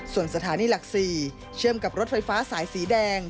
ส่วนสถานีหลัก๔เชื่อมกับรถไฟฟ้าสายสีแดง